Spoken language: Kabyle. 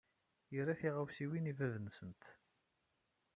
Yerra tiɣawsiwin i bab-nsent.